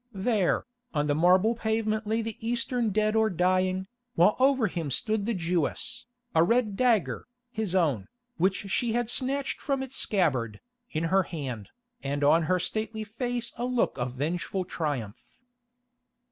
There, on the marble pavement lay the Eastern dead or dying, while over him stood the Jewess, a red dagger, his own, which she had snatched from its scabbard, in her hand, and on her stately face a look of vengeful triumph.